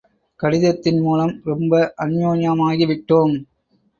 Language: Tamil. கடிதத்தின் மூலம் ரொம்ப அன்யோன்யமாகி விட்டோம்.